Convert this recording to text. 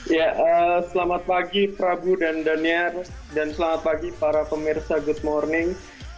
ya selamat pagi prabu dan daniel dan selamat pagi para pemirsa good morning